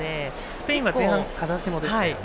スペインは前半風下でしたよね。